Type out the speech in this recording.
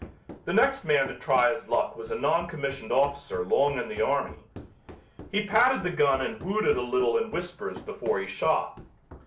The next man to try his luck was a non commissioned officer long in the army. He patted the gun and wooed it a little in whispers before he shot.